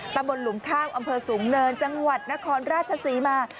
ตำบลหลุมข้าวอำเภอสูงเนินจังหวัดนครราชศรีมา